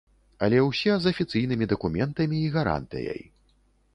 Але ўсе з афіцыйнымі дакументамі і гарантыяй.